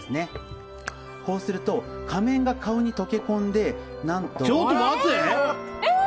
こうすると仮面が顔に溶け込んでちょっと待って！